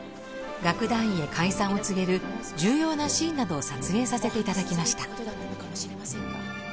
楽団員へ解散を告げる重要なシーンなどを撮影させて頂きました。